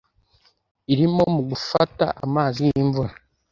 irimo mu gufata amazi y’imvura